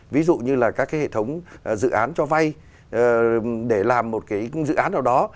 ví dụ như là các cái hệ thống dự án cho vay để làm một cái dự án nào đó